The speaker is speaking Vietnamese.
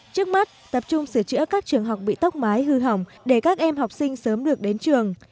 trước mắt tập trung sửa chữa các trường học bị tốc mái hư hỏng để các em học sinh sớm được đến trường